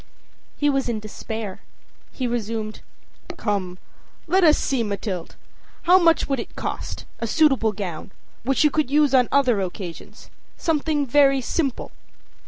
â He was in despair. He resumed: âCome, let us see, Mathilde. How much would it cost, a suitable gown, which you could use on other occasions something very simple?